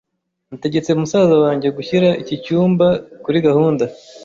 Nategetse musaza wanjye gushyira iki cyumba kuri gahunda.